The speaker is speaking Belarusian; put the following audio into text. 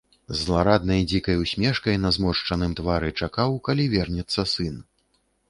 З злараднай дзікай усмешкай на зморшчаным твары чакаў, калі вернецца сын.